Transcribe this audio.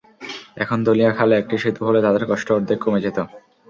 এখন ধলিয়া খালে একটি সেতু হলে তাঁদের কষ্ট অর্ধেক কমে যেত।